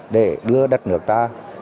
để đưa đất nước ta